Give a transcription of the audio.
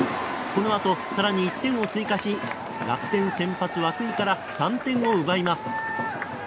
このあと更に１点を追加し楽天の先発、涌井から３点を奪います。